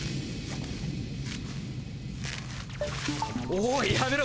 おいやめろ。